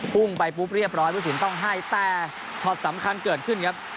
พุ่งไปปุ๊บเรียบร้อยผู้สินต้องให้แต่ช็อตสำคัญเกิดขึ้นครับ